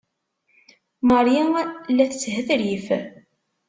Marie la teshetrif!